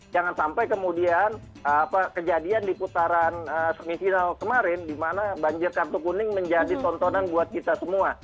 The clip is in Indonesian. jangan sampai kemudian kejadian di putaran semifinal kemarin di mana banjir kartu kuning menjadi tontonan buat kita semua